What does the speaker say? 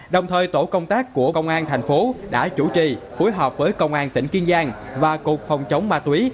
đồng thời tổ công tác của công an thành phố đã chủ trì phối hợp với công an tỉnh kiên giang và cục phòng chống ma túy